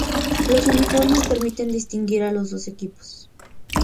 Los uniformes permiten distinguir a los dos equipos.